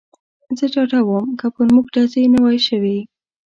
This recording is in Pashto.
زه ډاډه ووم، که پر موږ ډزې نه وای شوې.